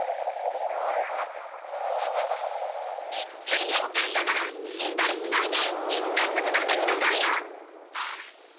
罪をおかしたなら死んだりしないで生きてつぐなってくださいよ！